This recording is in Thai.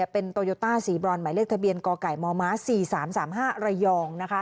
เป็นโตโยต้าสีบรอนหมายเลขทะเบียนกไก่มม๔๓๓๕ระยอง